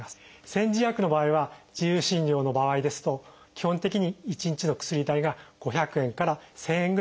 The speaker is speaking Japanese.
煎じ薬の場合は自由診療の場合ですと基本的に１日の薬代が５００円から１，０００円ぐらいの幅があります。